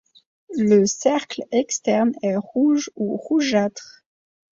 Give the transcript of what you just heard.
Le cercle externe est rouge ou rougeâtre.